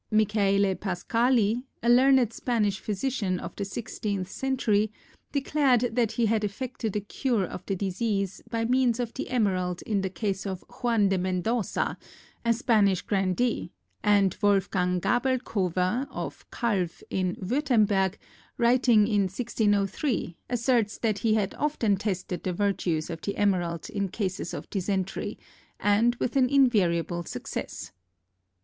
Michaele Paschali, a learned Spanish physician of the sixteenth century, declared that he had effected a cure of the disease by means of the emerald in the case of Juan de Mendoza, a Spanish grandee, and Wolfgang Gabelchover, of Calw, in Würtemberg, writing in 1603, asserts that he had often tested the virtues of the emerald in cases of dysentery and with invariable success.